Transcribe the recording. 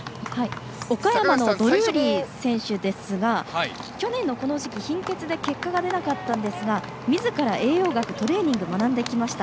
岡山のドルーリー選手ですが去年のこの時期、貧血で結果が出なかったんですがみずから栄養学トレーニングを学んできました。